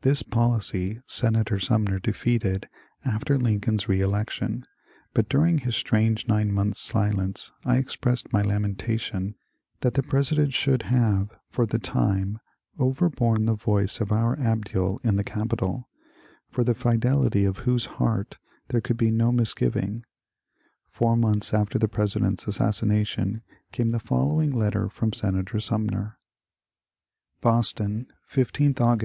This policy Senator Sumner defeated after Lin coln's reelection, but during his strange nine months' silence I expressed my lamentation that the President should have for the time overborne the voice of our Abdiel in the Capitol, of the fidelity of whose heart there could be no misgiving. Four months after the President's assassination came the fol lowing letter from Senator Sumner :— Boston, 15th Aug.